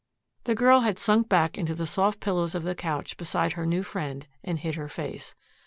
The girl had sunk back into the soft pillows of the couch beside her new friend and hid her face.